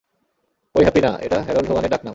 ঐ হ্যাপি না, এটা হ্যারল্ড হোগানের ডাকনাম।